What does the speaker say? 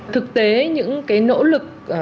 thực tế những nỗ lực